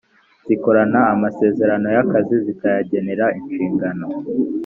zikora amasezerano y’akazi zikayagenera inshingano,